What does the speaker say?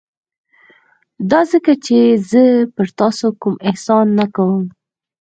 دا ځکه چې زه پر تاسو کوم احسان نه کوم.